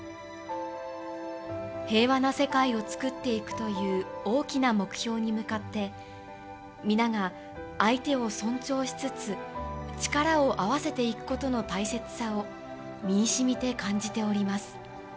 平和な世界を作っていくという、大きな目標に向かって、皆が相手を尊重しつつ、力を合わせていくことの大切さを、身にしみて感じております。